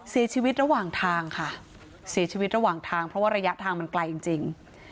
เสียชีวิตระหว่างทางค่ะเสียชีวิตระหว่างทางเพราะว่าระยะทางมันไกลจริง